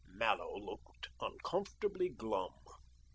Mallows looked uncomfortably glum.